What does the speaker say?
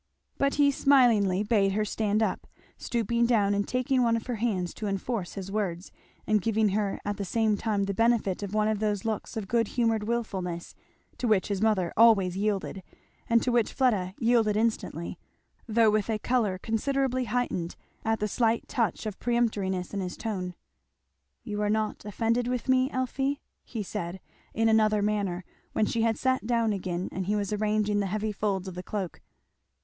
But he smilingly bade her "stand up," stooping down and taking one of her hands to enforce his words, and giving her at the same time the benefit of one of those looks of good humoured wilfulness to which his mother always yielded, and to which Fleda yielded instantly, though with a colour considerably heightened at the slight touch of peremptoriness in his tone. "You are not offended with me, Elfie?" he said in another manner, when she had sat down again and he was arranging the heavy folds of the cloak.